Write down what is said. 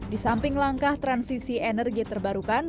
di samping langkah transisi energi terbarukan